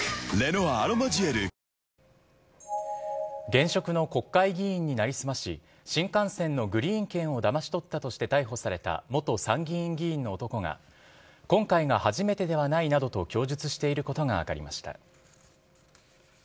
現職の国会議員に成り済まし、新幹線のグリーン券をだまし取ったとして逮捕された元参議院議員の男が、今回が初めてではないなどと供述していることが分かりました。